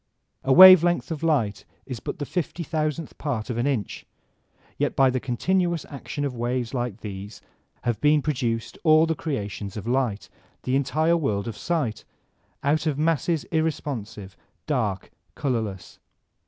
A wave length of light is but the fifty thousanddi part of an inch, yet by the continuous action of waves like CuBCB AND Punishment 177 these have been produced all the creations of light, the entire world of sight, out of masses irresponsive, dark, colorless.